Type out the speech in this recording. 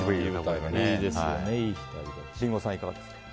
リンゴさん、いかがですか？